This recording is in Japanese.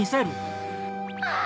あ！